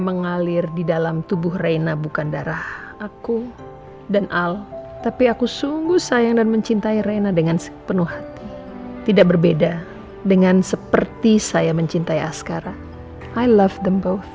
mau sekolah mau kemana sih